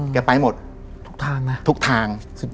แกไปหมดทุกทางนะสุดยอด